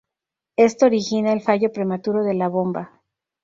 Esto origina el fallo prematuro de la bomba.